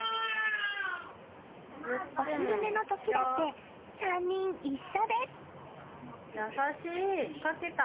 お昼寝の時だって３人一緒です。